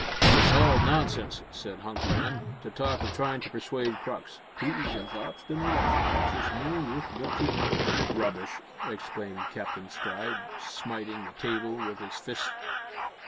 "It's all nonsense," said Hunky Ben, "to talk of tryin' to persuade Crux. He's as obstinate as a Texas mule wi' the toothache." "Rubbish!" exclaimed Captain Stride, smiting the table with his fist.